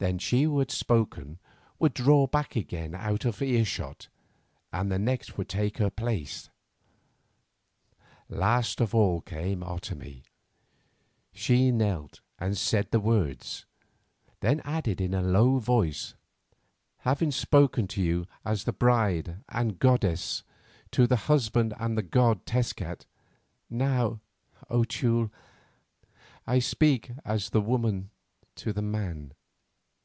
Then she who had spoken would draw back again out of earshot, and the next would take her place. Last of all came Otomie. She knelt and said the words, then added in a low voice, "Having spoken to you as the bride and goddess to the husband and the god Tezcat, now, O Teule, I speak as the woman to the man.